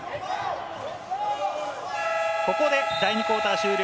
ここで第２クオーター終了。